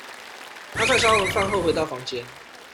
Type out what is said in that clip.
她在燒完飯後回到房間